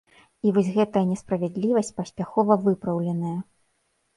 І вось гэтая несправядлівасць паспяхова выпраўленая.